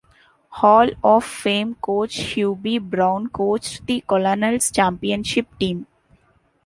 Hall of Fame Coach Hubie Brown coached the Colonels Championship team.